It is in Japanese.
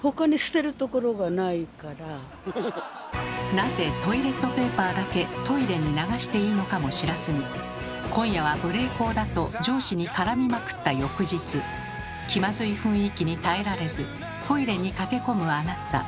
なぜトイレットペーパーだけトイレに流していいのかも知らずに今夜は無礼講だと上司に絡みまくった翌日気まずい雰囲気に耐えられずトイレに駆け込むあなた。